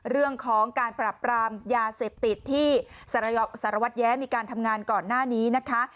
เรื่องของการปรับปรามยาเสพติดที่สารวัตรแย้มีการทำงานก่อนหน้านี้นะคะ